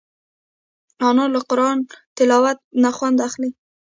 انا له قرآن تلاوت نه خوند اخلي